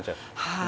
はい。